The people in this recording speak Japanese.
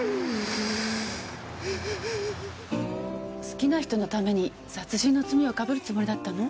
好きな人のために殺人の罪をかぶるつもりだったの？